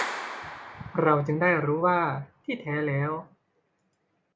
เราจึงได้รู้ว่า ที่แท้แล้ว